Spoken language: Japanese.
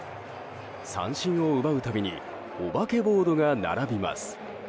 三振を奪うたびにお化けボードが並びます。